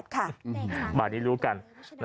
๔๕๘ค่ะบ้านนี้รู้กัน